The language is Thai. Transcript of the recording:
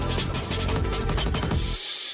สุขธนาที่สิบหลานสวัสดีครับ